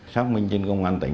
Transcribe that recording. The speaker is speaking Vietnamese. xác minh trên công an tỉnh